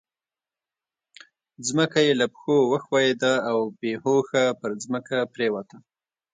ځمکه يې له پښو وښوېده او بې هوښه پر ځمکه پرېوته.